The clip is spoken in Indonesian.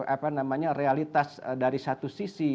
apa namanya realitas dari satu sisi